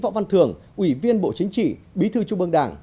báo nhân dân thường ủy viên bộ chính trị bí thư trung ương đảng